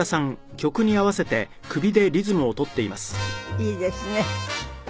いいですね。